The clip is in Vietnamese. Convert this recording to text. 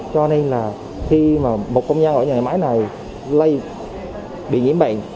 cho nên là khi mà một công nhân ở nhà máy này bị nhiễm bệnh